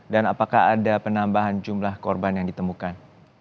dan apakah ada penambahan jumlah korban yang ditemukan